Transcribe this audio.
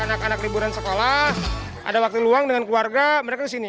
anak anak liburan sekolah ada waktu luang dengan keluarga mereka kesini